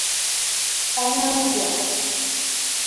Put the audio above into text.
Home a l'aigua!